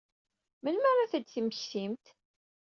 Melmi ara ad t-id-temmektimt?